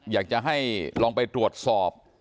อยากจะให้ลองไปตรวจสอบ